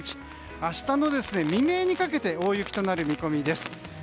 明日の未明にかけて大雪となる見込みです。